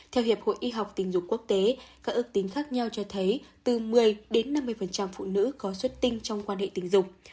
theo hiệp hội y học tình dục quốc tế các ước tính khác nhau cho thấy từ một mươi đến năm mươi phụ nữ có xuất tinh trong quan hệ tình dục